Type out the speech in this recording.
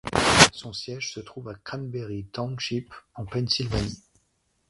Son siège se trouve à Cranberry Township en Pennsylvanie.